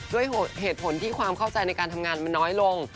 ด้วยเหตุผลที่ความเข้าใจในการทำงานมันน้อยลง